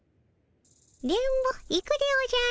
電ボ行くでおじゃる。